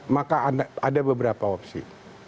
maka ada beberapa opsi